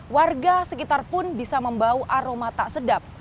warga sekitar pun bisa membawa aroma tak sedap